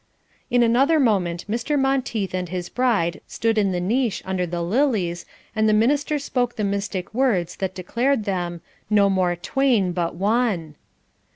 In another moment Mr. Monteith and his bride stood in the niche under the lilies, and the minister spoke the mystic words that declared them "no more twain, but one."